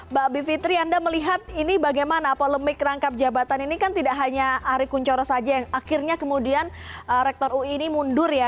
mbak bivitri anda melihat ini bagaimana polemik rangkap jabatan ini kan tidak hanya ari kunchoro saja yang akhirnya kemudian rektor ui ini mundur ya